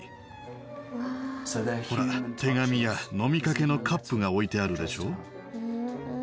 ほら手紙や飲みかけのカップが置いてあるでしょう？